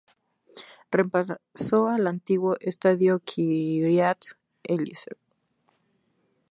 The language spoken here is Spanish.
Reemplazó al antiguo Estadio Kiryat Eliezer.